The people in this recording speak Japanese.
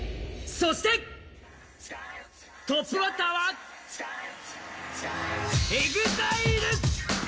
そしてトップバッターはＥＸＩＬＥ！